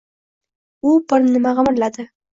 U bir nima g‘imirladi.